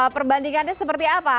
perbandingannya seperti apa